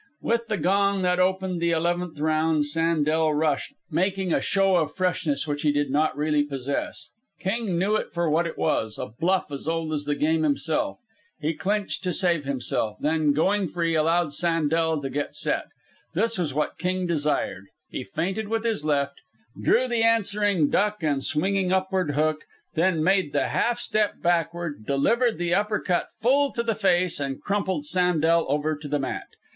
With the gong that opened the eleventh round, Sandel rushed, making a show of freshness which he did not really possess. King knew it for what it was a bluff as old as the game itself. He clinched to save himself, then, going free, allowed Sandel to get set. This was what King desired. He feinted with his left, drew the answering duck and swinging upward hook, then made the half step backward, delivered the upper cut full to the face and crumpled Sandel over to the mat.